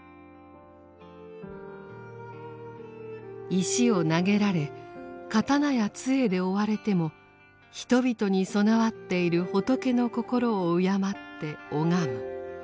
石を投げられ刀や杖で追われても人々に具わっている仏の心を敬って拝む。